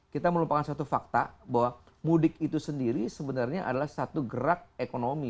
kita melupakan satu fakta bahwa mudik itu sendiri sebenarnya adalah satu gerak ekonomi